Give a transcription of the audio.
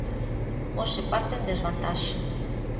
Hoxe parte en desvantaxe.